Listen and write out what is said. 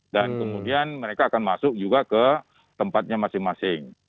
dan kemudian mereka akan masuk juga ke tempatnya masing masing